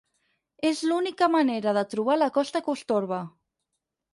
És l'única manera de trobar la costa que us torba.